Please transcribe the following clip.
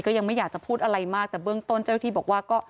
ก็ยังไม่อยากจะพูดอะไรมากแต่เบื้องต้นเจ้าที่บอกว่าก็